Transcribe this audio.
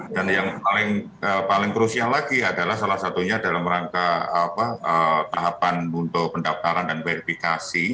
dan yang paling krusial lagi adalah salah satunya dalam rangka tahapan untuk pendaftaran dan verifikasi